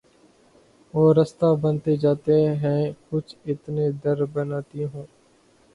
وہ رستہ بنتے جاتے ہیں کچھ اتنے در بناتی ہوں